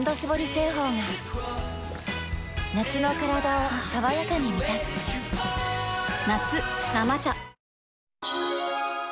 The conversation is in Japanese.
製法が夏のカラダを爽やかに満たす夏「生茶」